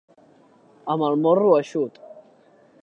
Amb el morro eixut.